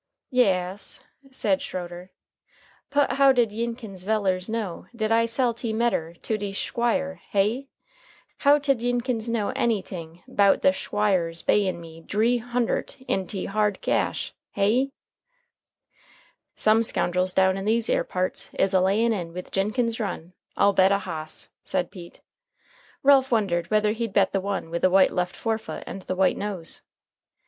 "Ya as," said Schroeder, "put how did Yinkins vellers know dat I sell te medder to te Shquire, hey? How tid Yinkins know anyting 'bout the Shquire's bayin' me dree huntert in te hard gash hey?" "Some scoundrels down in these 'ere parts is a layin' in with Jinkins Run, I'll bet a hoss," said Pete. Ralph wondered whether he'd bet the one with the white left forefoot and the white nose.